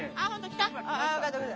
来た？